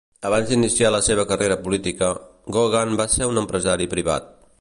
Abans d'iniciar la seva carrera política, Gogan va ser un empresari privat.